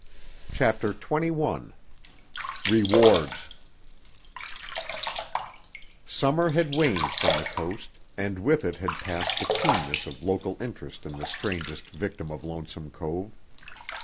CHAPTER XXI—REWARDS Summer had waned from the coast and with it had passed the keenness of local interest in the strangest victim of Lonesome Cove.